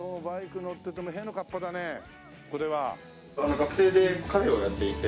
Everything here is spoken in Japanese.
学生でカフェをやっていて。